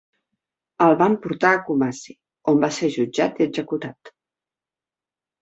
El van portar a Kumasi on va ser jutjat i executat.